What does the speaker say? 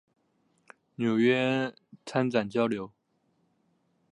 纽约参展交流